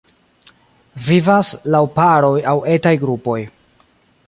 Vivas laŭ paroj aŭ etaj grupoj.